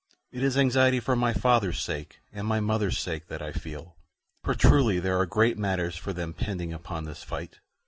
It is anxiety for my father's sake and my mother's sake that I feel, for truly there are great matters for them pending upon this fight.